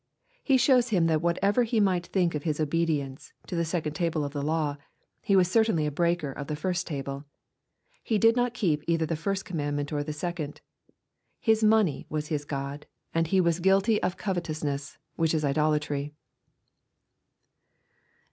He shows him that whatever he might think of his obedience .o the second table of the law, he was certainly a breaker of the first table. He did not keep either the first commandment or the second. His money was his god, and he was guilty of covetousness, which is idolatry.